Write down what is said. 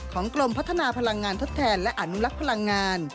กรมพัฒนาพลังงานทดแทนและอนุลักษ์พลังงาน